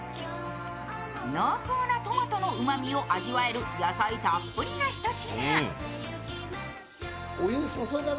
濃厚なトマトのうまみを味わえる野菜たっぷりな一品。